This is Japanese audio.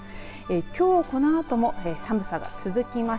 きょうこのあとも寒さが続きます。